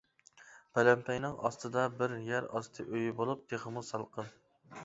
پەلەمپەينىڭ ئاستىدا بىر يەر ئاستى ئۆيى بولۇپ، تېخىمۇ سالقىن.